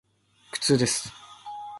苦痛です。